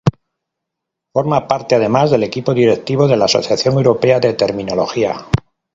Forma parte, además, del equipo directivo de la Asociación Europea de Terminología.